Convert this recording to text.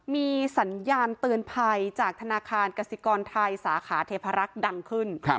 มีสัญญาณเตือนภัยจากธนาคารกสิกรไทยสาขาเทพรักษ์ดังขึ้น